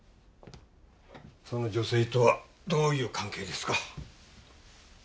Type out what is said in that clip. その女性とはどういう関係ですか？